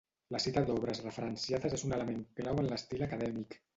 La cita d'obres referenciades és un element clau en l'estil acadèmic.